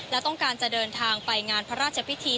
และต้องการจะเดินทางไปงานพระราชพิธี